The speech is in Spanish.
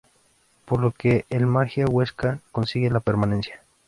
Por lo que el Magia Huesca consigue la permanencia.